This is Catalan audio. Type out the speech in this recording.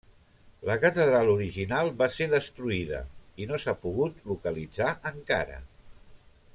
La catedral original va ser destruïda i no s'ha pogut localitzar encara.